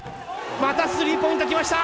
またスリーポイント来ました。